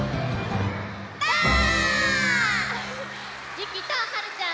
ゆきとはるちゃん